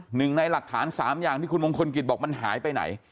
หนึ่งในหลักฐานสามอย่างที่คุณมงคลกิจบอกมันหายไปไหน